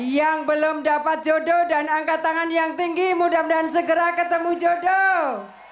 yang belum dapat jodoh dan angkat tangan yang tinggi mudah mudahan segera ketemu jodoh